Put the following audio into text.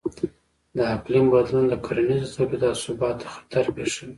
د اقلیم بدلون د کرنیزو تولیداتو ثبات ته خطر پېښوي.